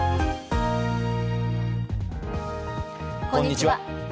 こんにちは。